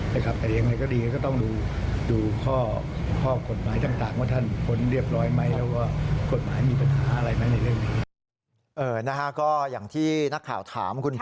แต่ยังไงก็ดีเพราะก็ต้องดูข้อกฎหมายต่าง